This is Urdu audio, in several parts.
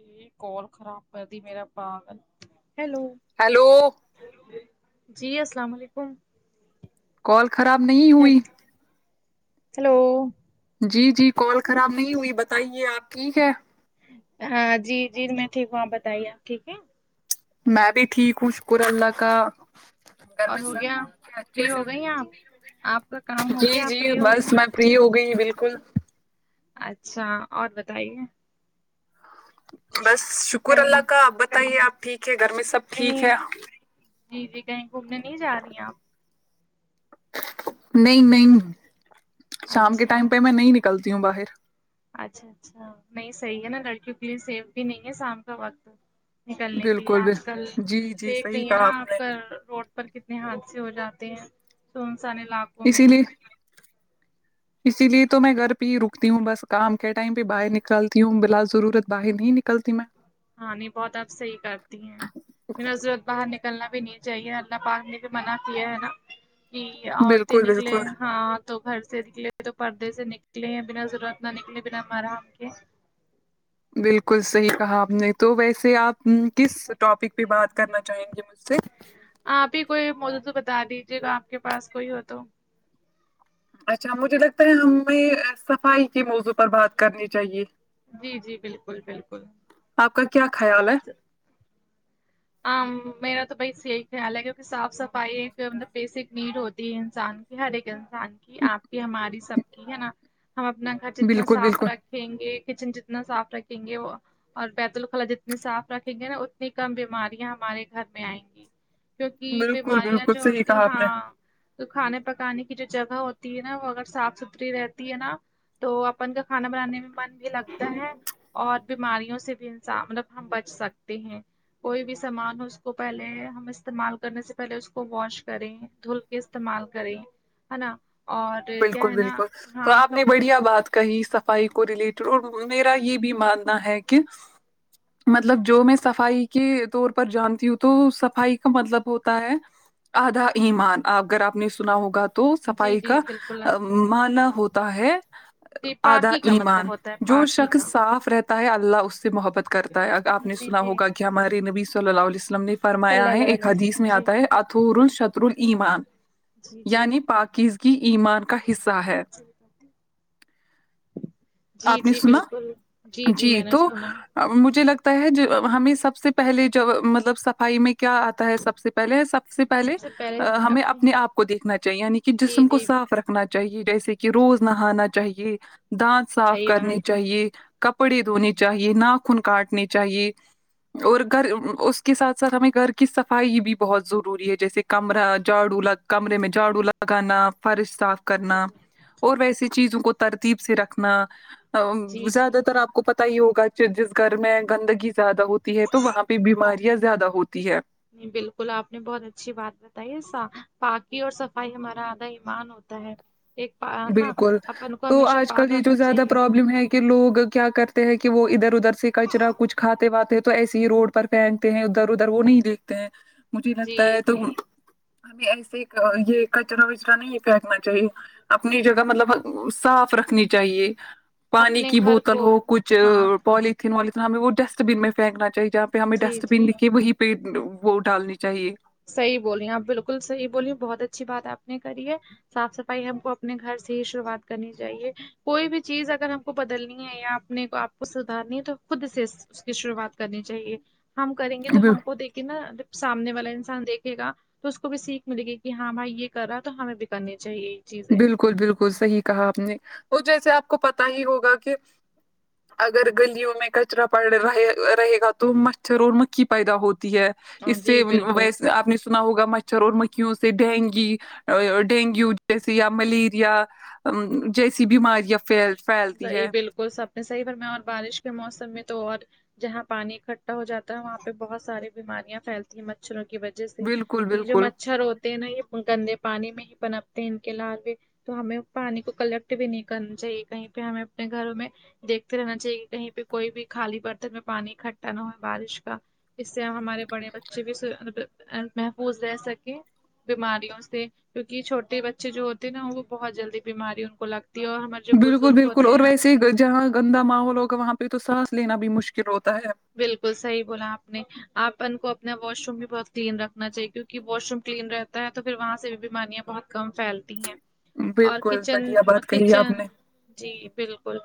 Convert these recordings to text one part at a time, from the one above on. جی کال خراب کر دی میرا پاگل ہیلو ہیلو جی السلام علیکم کال خراب نہیں ہوئی ہیلو جی جی کال خراب نہیں ہوئی بتائیے آپ ٹھیک ہے ہاں جی جی میں ٹھیک ہوں آپ بتائیےاپ ٹھیک ہے میں بھی ٹھیک ہوں شکر اللہ کا گھر اور میں ہو سب گیا ٹھیک ہے فری اچھے ہو گئی سے ہیں آپ آپ کا کام ہو جی گیا آپ جی فری ہو بس گئی میں فری ہو گئی بالکل اچھا اور بتائیے بس شکر اللہ کہیں کا آپ بتائیے آپ ٹھیک ہے گھر میں سب ٹھیک کہیں ہے جی جی کہیں گھومنے نہیں جا رہی ہیں آپ نہیں نہیں شام کے ٹائم اچھا پہ میں نہیں نکلتی ہوں باہر اچھا اچھا نہیں صحیح ہے نا لڑکیوں کے لیے سیف بھی نہیں ہے شام کا وقت نکلنے کے لیے بالکل بھی آج کل جی جی دیکھ صحیح رہی ہیں کہا نا آپ نے کا روڈ پر کتنے حادثے ہو جاتے ہیں سنسان علاق اسی لیے اسی لیے تو میں گھر پہ ہی رکتی ہوں بس کام کے ٹائم پہ باہر نکلتی ہوں بلا سضرورت باہر نہیں نکلتی میں ہاں نہیں بہت آپ صحیح کرتی ہیں ماضرورت باہر نکل نکلنا بھی نہیں چاہیے اللہ پاک نے بھی منع کیا ہے نا جی عورتیں بالکل نکلے بالکل ہاں تو گھر سے نکلے تو پردے سے نکلے بنا ضرورت نہ نکلے بنا محرم کے بلکل صحیح کہا آپ نے تو ویسے آپ کس ٹاپک پہ بات کرنا چاہیں گے مجھ سے آپ ہی کوئی موجو تو بتا دیجیے گا آپ کے پاس کوئی ہو تو اچھا مجھے لگتا ہے ہمیں صفائی کی موضوع پر بات کرنی چاہیے جی جی بالکل بالکل آپ کا کیا خیال ہے ہاں میرا تو بائی یہی خیال ہے کیونکہ صاف صفائی ایک مطلب بیسک نیڈ ہوتی ہے انسان ہر ایک انسان کی آپ کی ہماری سب کی ہے نا ہم اپنا گھر جتنا بالکل صاف بالکل رکھ رکھیں گے کچن جتنا صاف رکھیں گے وہ اور بیت الخلاء جتنی صاف رکھیں گے نا اتنی کم بیماریاں ہمارے گھر میں آئیں گی کیونکہ بالکل بیماریاں بالکل جو صحیح ہوتی کہا آپ ہاں نے تو کھانے پکانے کی جو جگہ ہوتی ہے نا وہ اگر صاف ستھری رہتی ہے نا تو اپن کا کھانا بنانے میں من بھی لگتا ہے اور بیماریوں سے بھی انسان مطلب ہم بچ سکتے ہیں کوئی بھی سامان ہے اس کو پہلے ہم استعمال کرنے سے پہلے اس کو واش کریں دھل کے استعمال کریں ہے نا اور کیا بلکل ہے نا بلکل تو ہاں آپ نے کپ بڑھیا بات کہیں صفائی کو ریلیٹڈ اور میرا یہ بھی ماننا ہے کہ مطلب جو میں صفائی کے طور پر جانتی ہوں تو صفائی کا مطلب ہوتا ہے آدھا ایمان اگر آپ نے سنا ہوگا تو جی صفائی کا جی بالکل آپ مانا ہوتا ہے جی آدا پاکی کا مطلب ایمان ہوتا ہے جو پاکی شخص کا صاف رہتا ہے اللہ اس سے محبت کرتا ہے ا آپ جی سنا جی ہوگا کہ ہمارے نبی صلی علیہ وسلم نے صلی فرمایا ہے اللہ ایک علیہ حدیث وسلم میں جی آتا ہے اتور ال شتر ال ایمان جی جی یعنی پاکیزگی ایمان کا حصہ ہے جی آپ نے جی سنا بالکل جی میں نے تو سنا مجھے لگتا ہے جب ہمیں سب سے پہلے جب مطلب سب صفائی میں کیا آتا ہے سب سے پہلے سب س سے پہلے ہمیں اپنے آپ کو دیکھنا چاہیے یعنی کہ جی جسم کو جی صاف رکھنا چاہیے جیسے کہ روز جی نہانا چاہیے دانت صاف صحیح کرنے بات ہے چاہیے کپڑے دھونے چاہیے ناخن کاٹنی چاہیے اور گھر اس کے ساتھ ساتھ ہمیں گھر کی صفائی بھی بہت ضروری ہے جیسے کہ کمرہ جاڑو لڑ کمرے میں جاڑو لگانا فرش صاف کرنا اور ویسے چیزوں کو ترتیب سے رکھنا جی جی زیادہ تر آپ کو پتہ ہی ہوگا جس گھر میں گندگی زیادہ ہوتی ہے تو وہاں پہ بیماریاں زیادہ ہوتی ہے نہیں بالکل آپ نے بہت اچھی بات بتائیا پاکی اور صفائی ہمارا آدھا ایمان ہوتا ہے ایک پا ہے نا بالکل اپن کو تو ہمیشہ آج کل پاک یہ جو رکھنا زیادہ چاہیے پرابلم ہے کہ لوگ کیا کرتے ہیں کہ وہ ادھر ادھر سے کچرا کچھ کھاتے واتے تو ایسے ہی روڈ ر پھینکتے ہیں ادھر ادھر وہ نہیں دیکھتے ہیں مجھے لگتا جی ہے تو جی ہمیں ایسے یہ کچرا وچرا نہیں پھینکنا چاہیے اپنی جگہ مط مطلب صاف رکھنی چاہیے پانی اپنے کی گھر بوتل کو ہو کچھ ہاں پولٹھیں ولیٹھین ہمیں وہ ڈسٹ بن میں فیکنا چاہی جہاںہ ہمیں جی ڈسٹ بین جی دکھے وہی پیٹ وہ ڈالنی چاہیے صحیح بولی آپ بالکل صحیح بولی بہت اچھی بات آپ نے کری ہے صاف صفائی ہم کو اپنے گھر سے ہی شروعات کرنی چاہیے کوئی بھی چیز اگر ہم کو بدلنی ہے یا اپنے کو آپ کو سدھارنی ہے تو خود سے اس کی شروعات کرنی چاہیے ہم کریں گے تو بل- ہم کو دیکھے نا سامنے والے انسان دیکھے گا تو اس کو بھی سیکھ ملے گی کہ ہاں بھائی یہ کر رہا ہے تو ہمیں بھی کرنی چاہیے چیزیں بالکل بالکل صحیح کہا آپ نے اور جیسے آپ کو پتا ہی ہوگا کہ اگر گلیوں میں کچرا پڑ رہا ہے رہے گا تو مچھر اور مکھی پیدا ہوتی ہے ہاں، اس جی سے بالکل ویس آپ نے سنا ہوگا مچھر اور مکھیوں سے ڈینگی ڈینگیو جیسے یا ملیریا جیسی بیماریاں پھیلس صحیح بالکل سب نے صحیح پر میں اور بارش کے موسم میں تو اور جہاں پانی اکٹھا ہواتا ہے وہاں پہ بہت ساری بیماریاں پھیلتی ہیں مچھروں کی وجہ جیسے بالکل یہ جو بالکل مچھر ہوتے ہیں نا یہ گندے پانی میں ہی بنپتے ہیں ان کے لالوے تو ہمیں پانی کو کلیکٹ بھی نہیں کرنا چاہیے کہیں پہ ہمیں اپنے گھر میں دیکھتے رہنا چاہیے کہ کہیں پہ کوئی بھی خالی برتن میں پانی اکٹھا نہ ہو بارش کا اس سے ہمارے بڑے بچے بھی محفوظ رہ سکیں بیماریوں سے کیوںہ چھوٹے بچے جو ہوتے ہیں نا وہ بہت جلدی بیماری ان کو لگتی ہے اور ہم بالکل بالکل اور ویسے ہی جہاں گندا ماحول ہوگا وہاں پہ تو سانس لینا بھی مشکل ہوتا ہے بالکل صحیح بولا آپ نے اپن کو اپنا واش روم بھی بہت کلین رکھنا چاہیے کیونکہ واش روم کلین رہتا تا ہے تو پھر وہاں سے بھی بیماریاں بہت کم پھیلتی ہیں اور بالکل کچن بڑھیا بات کہی آپ کچن نے جی بالکل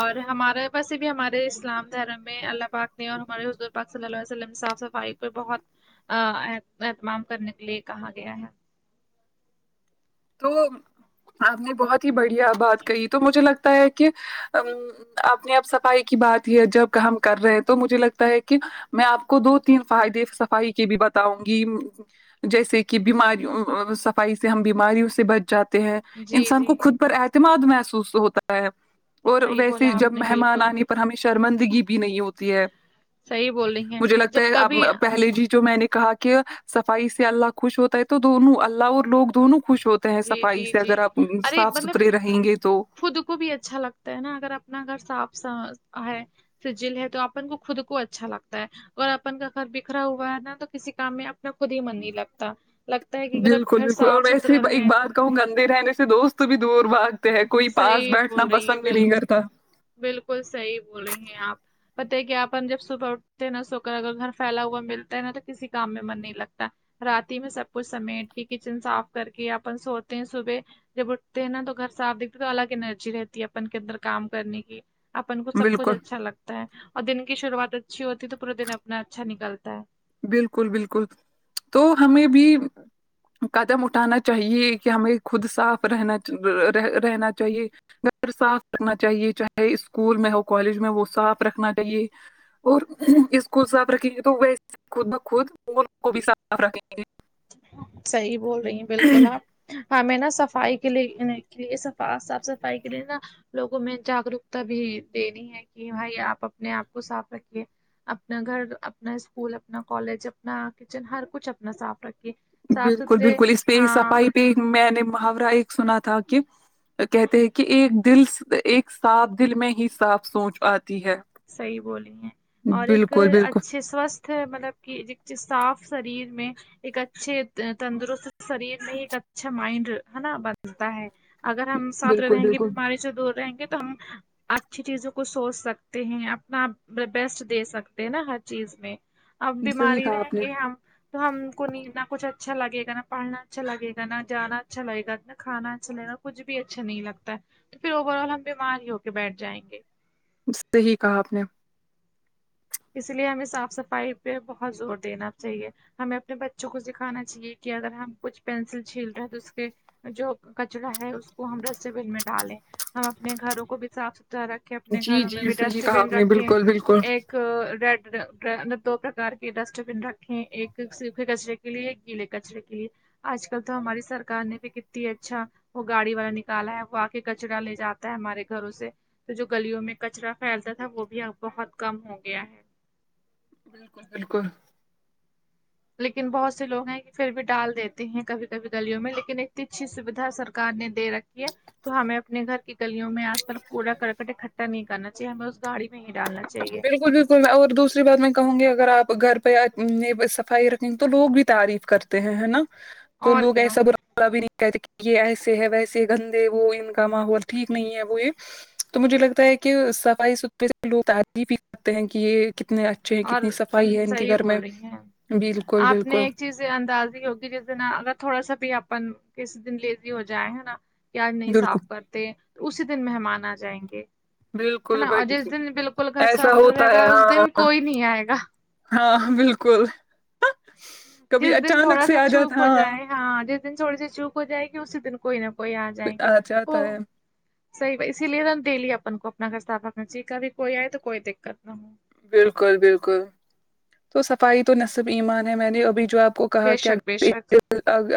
اور ہمارا پس بھی ہمارے اسلام دھرم میں اللہ پاک نے اور ہمارے حضور پاک صلی اللہ علیہ وسلم صاف صفائی پہ بہت ا اتمام کرنے کے لیے کہا گیا ہے تو آپ نے بہت ہی بڑھیا بات کہی تو مجھے لگتا ہے کہ ا اپنی اپ صفائی کی بات ہی جب ہم کر رہے ہیں تو مجھے لگتا ہے کہ میں آپ کو دو تین فائدے صفائی کے بھی بتاؤں گی جیسے کہ بیماری صفائی سے ہم بیماری سے بچ جاتے ہیں جی انسان جی کو خود پر اعتماد محسوس ہوتا ہے اور صحیح ویسے بولا جب آپ نے مہمان بالکل آنے پر ہمیں شرمندگی بھی نہیں ہوتی ہوتی صحیح بول رہی مجھے ہیں لگتا جب ہے اپ کبھی پہلے جی جو میں نے کہا کہ صفائی سے اللہ خوش ہوتا ہے تو دونوں اللہ اور لوگ دونوں خوش ہوتے ہیں جی صفائی جی سے جی اگر آپ ارے صاف مطلب ستھرے رہیں گے تو خود کو بھی اچھا لگتا ہے نا اگر اپنا گھر صاف ہے سجل ہے تو اپن کو خود کو اچھا لگتا ہے اور اپن کا گھر بکھرا ہوا ہے نا تو کسی کام میں اپنا خود ہی من نہیں لگتا لگتا ہے کہ اگر اب بالکل گھر بالکل اور صاف ستھرا ویسے ایک رہے بات کہوں گندے رہنے سے دوست بھی دور بھاگتے ہیں کوئی پاس صحیح بیٹھنا بول رہی ہیں پسند بھی بالکل نہیں کرتا بالکل صحیح بول رہی ہیں آپ پتا ہے کہ آپن جب صبح اٹھتے ہیں نا سو کر اگر گھر فیلا ہوا ملتا ہے نا تو کسی کام میں من نہیں لگتا راتی میں سب کچھ سمیٹ کے کچن صاف کر کے اپن سوتے ہیں صبے جب اٹھتے ہیں نا تو گھر صاف دیکھتے تو الگ انرجی رہتی ہے اپن کے اندر کام کرنے کی اپن کو سب کچھ بالکل اچھا لگتا ہے اور دن کی شروعات اچھی ہوتی ہے تو پورا دن اپنا اچھا نکلتا ہے بالکل بالکل تو ہمیں بھی قدم اٹھانا چاہیے کہ ہمیں خود صاف رہنا رہ رہنا چاہیے گھر صاف رکھنا چاہیے چاہے اسکول میں ہو کالج میں وہ صاف رکھنا چاہیے اور اس کو صاف رکھیں گے تو ویسے خود بخود ملک کو بھی صاف رکھیں گے صحیح بول رہی ہیں بالکل آپ ہمیں نا صفائی کے لیےنا صافا صفائی کے لیے نا لوگوں میں جاگروکتا بھی دینی ہے کی بھائی آپ اپنے آپ کو صاف رکھیے اپنا گھر اپنا اسکول اپنا کالج اپنا کچن ہر کچھ اپنا صاف رکے بالکل بالکل اس پے صفائی پے میں نے محاورہ ایک سنا تھا کی کہتے ہیں کی ایک دل ایک صاف دل میں ہی صاف سوچ آتی ہے صحیح بولی ہیں اور ایک بالکل اچھی بالکل اچھے سوستھ ہے مطلب کہ صاف شریر میں ایک اچھے تندرست شریر میں ہی ایک اچھا مائنڈ ہے نا بنتا ہے اگر ہم صاف بالکل رہیں گے بالکل بیماری سے دور رہیں گے تو ہم اچھی چیزوں کو کو سوچ سکتے ہیں اپنا آپ بیسٹ دے سکتے ہیں نا ہر چیز میں اب صحیح بیماری کہا رہی آپ نے رہگے ہم تو ہم کو نہیں نا کچھ اچھا لگے گا پڑھنا اچھا لگے گا نا جانا اچھا لگے گا نا کھانا اچھا لگے گا کچھ بھی اچھا نہیں لگتا ہے تو پھر اور ہم بیمار ہی ہو کے بیٹھ جائیں گے صحیح کہا آپ نے اس لیے ہمیں صاف صفائی پے بہت زور دینا چاہیے ہمیں اپنے بچوں کو سکھانا چاہیے کہ اگر ہم کچھ پینسل چھیل رہے ہیں تو اس کے جو کچرا ہے اس کو ہم ڈسٹ بین میں ڈالیں ہم اپنے گھروں کو بھی صاف ستھرا رکھ اپنے جی گھروں میں جی بھی صحیح ڈسٹ کہا بین آپ نے رکھے بالکل بالکل ایک ریڈ را رآ دو پرکار کے ڈسٹ بین رکھیں ایک سوکھے کچرے کے لیے ایک گیلے کچرے کے لیے آج کل تو ہماری سرکار نے بھی کتنی اچھا وہ گاڑی والا نکالا ہے وہ آ کے کچرا لے جاتا ہے ہمارے گھروں سے تو جو گلیوں میں کچرا فیلتا تھا وہ بھی اب بہت کم ہو گیا ہے بالکل بالکل لیکن بہت سے لوگ ہیں کی فیر بھی ڈال دیتے ہیں کبھی کبھی گلیوں میں لیکن اتنی اچھی سویدھا سر کار نے دے رکھی ہے تو ہمیں اپنے گھر کی گلوں میں آس پاس کوڑا کرکٹ اکٹھا نہیں کرنا چاہیے ہمیں اس گاڑی میں ہی نہیں ڈالنا چاہیے بالکل بالک کل اور دوسری بات میں کہوں گی اگر آپ گھر پے نا صفائی رکھیں گے تو لوگ بھی تعریف کرتے ہےنا تو اور لوگ کیا ایسا برا بھی نہیں کہتے کی یے ایسے ہے ویسے گندے وہ ان کا ماحول ٹھیک نہیں ہے وہ یے تو مجھے لگتا ہے کہ صفائی [unintelligible] جی اور کتنی صفائی ہے ان کے صحیح گھر میں بول بالکل بالکل سے اندازی ہوگی جس دن اگر تھوڑا سا بھی اپن کسی دن لیزی ہو جائے ہے نا یار نہیں بالکل صاف کرتے تو اسی دن مہمان آ جائیں گے ہے بالکل نا اور جس بالکل دن بالکل گھر ایسا صاف ہوتا رہے ہے گا اس ہاں دن کوئی نہیں آئے گا ہاں بالکل کبھی جس دن اچانک تھوڑا سے سا آ جاتا چوپ ہو ہاں جائے ہاں جس دن تھوڑی سی چوک ہو جائے گی اسی دن کوئی نا کوئی آ جائیں گے وہ جاتا ہے صحیح بھائی اسی لیے نا ڈیلی اپن کو اپنا گھر صاف رکھنا چاہیے کبھی کوئی آئے تو کوئی دکت نہ ہو بالکل بالکل تو صفائی تو نصب ایمان ہے میں نے ابھی جو آپ کو کہا بے کیا شک بے شک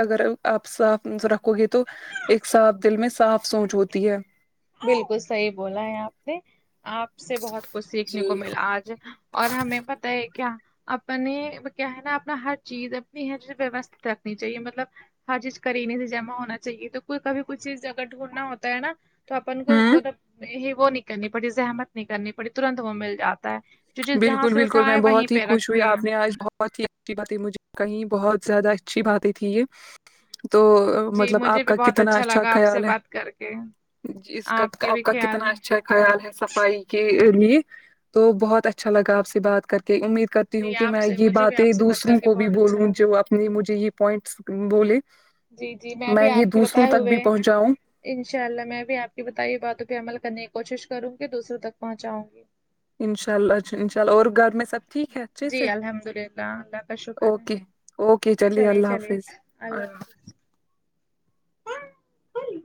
اگر آپ صاف رکھو گے تو ایک صاف دل میں صاف سوچ ہوتی ہے بالکل صحیح بولا ہے آپ نے آپ سے بہت کچھ سیکھنے کو جی ملا آج اور ہمیں پتہ ہے کیا اپنے کیا ہے نا اپنا ہر چیز اپنی ہے جے ویوست کرنی چاہیے مطلب ہر چیز قرینے سے جمع ہونا چاہیے تو کوئی کبھی کچھ چیز اگر ڈھونڈنا ہوتا ہے نا تو اپن کو ہوں مطلب وہ نہیں کرنی پڑتی زحمت نہیں کرنی پڑی ترنت وہ مل جاتا ہے جو چیز جہاں بالکل سے بالکل میں اٹھائے وہیں بہت ہی پہ خوش ہوئی رکھے آپ نے آج بہت ہی بات مجھے کہیں بہت زیادہ اچھی باتیں تھی یہ تو جی مطلب مجھے آپ بھی کا بہت کتنا اچھا لگا آپ سے خیال ہے بات کر کے اس کا کے آپ بھی کا کتنا خیال اچھا خیال ہے صفائی کے لیے تو بہت اچھا لگا آپ سے بات کر کے امید کرتی جی ہوں کہ آپ میں سے یہ مجھے بھی آپ باتیں سے بات کر دوسروں کے کو بھی بہت اچھا بولوں لگا جو اپنی مجھے یہ پوائنٹس بولے جی جی میں بھی یہ آپ کے دوسروں بتائے تک ہوئے بھی پہنچاؤں انشاء اللہ میں بھی آپ کی بتائیے باتوں پہ عمل کرنے کی کوشش کروں گی دوسروں تک پہنچاؤں گی انشاء اللہ اچھا انشاء اللہ اور گھر میں سب ٹھیک ہے اچھے سے جی الحمد للہ اللہ کا شکر ہے اوکے اوکے چلیے اللہ حافظ [unintelligible] ہاں بولی